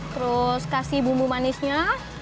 terus kasih bumbu manisnya